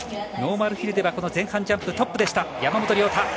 ノーマルヒルでは前半ジャンプトップでした、山本涼太。